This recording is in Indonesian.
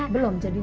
belum jadi gak